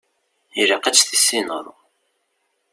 Ilaq ad tt-tissineḍ.